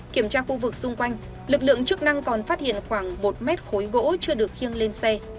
kiểm tra khu vực xung quanh lực lượng chức năng còn phát hiện khoảng một mét khối gỗ chưa được khiêng lên xe